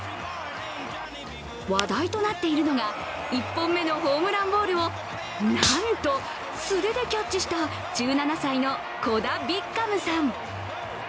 話題となっているのが１本目のホームランボールをなんと素手でキャッチした１７歳のコダ・ビッガムさん。